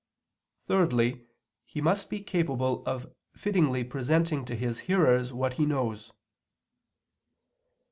Thirdly, he must be capable of fittingly presenting to his hearers what he knows.